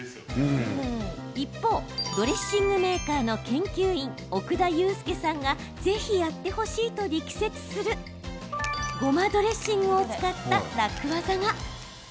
一方ドレッシングメーカーの研究員奥田悠介さんがぜひやってほしいと力説するごまドレッシングを使った楽ワザが。